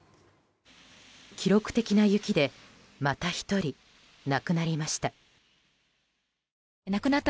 記録的な雪でまた１人、亡くなりました。